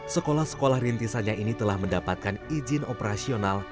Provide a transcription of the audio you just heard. sekolah sekolah rintisannya ini telah mendapatkan izin operasional